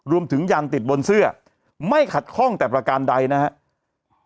ยันติดบนเสื้อไม่ขัดข้องแต่ประการใดนะครับ